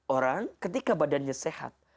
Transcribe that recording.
orang ketika badannya sehat